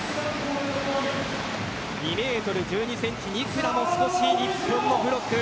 ２ｍ１２ｃｍ、ニクラも日本のブロック。